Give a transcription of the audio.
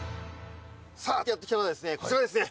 さあやって来たのはですねこちらですね。